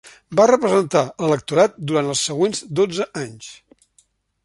Va representar l'electorat durant els següents dotze anys.